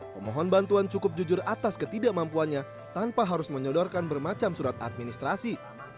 pemohon bantuan cukup jujur atas ketidakmampuannya tanpa harus menyodorkan bermacam surat administrasi